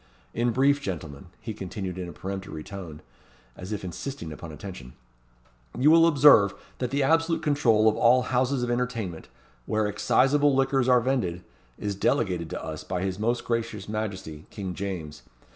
In brief, gentlemen," he continued in a peremptory tone, as if insisting upon attention, "you will observe, that the absolute control of all houses of entertainment, where exciseable liquors are vended, is delegated to us by his most gracious Majesty, King James.